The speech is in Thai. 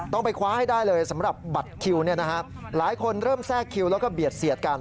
ต้องไปคว้าให้ได้เลยสำหรับบัตรคิวหลายคนเริ่มแทรกคิวแล้วก็เบียดเสียดกัน